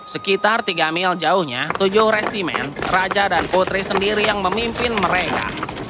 sekitar tiga mil jauhnya tujuh resimen raja dan putri sendiri yang memimpin mereka